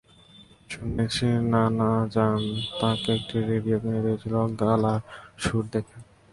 শুনেছি নানা জান তাঁকে একটি রেডিও কিনে দিয়েছিলেন গলার সুর দেখে।